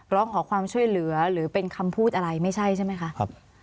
ร้องขอความช่วยเหลือหรือเป็นคำพูดอะไรไม่ใช่ใช่ไหมคะ